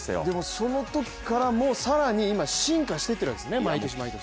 そのときから更に進化していってるわけですね、毎年毎年。